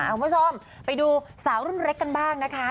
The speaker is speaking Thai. คุณผู้ชมไปดูสาวรุ่นเล็กกันบ้างนะคะ